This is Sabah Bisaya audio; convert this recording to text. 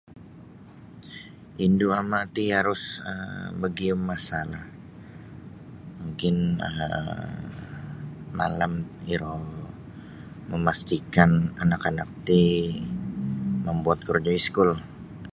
Indu ama' ti harus um magiyum masa mungkin malam iro memastikan anak-anak ti membuat korojo iskul.